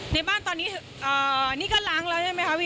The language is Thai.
ในบ้านตอนนี้นี่ก็ล้างแล้วใช่ไหมคะพี่